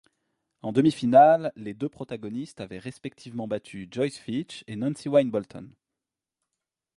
En demi-finale, les deux protagonistes avaient respectivement battu Joyce Fitch et Nancye Wynne Bolton.